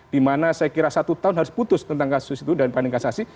di mana saya kira satu tahun harus putus tentang kasus itu dan panding kasasi